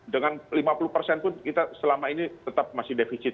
dengan lima puluh persen pun kita selama ini tetap masih defisit